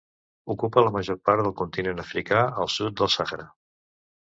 Ocupa la major part del continent africà al sud del Sàhara.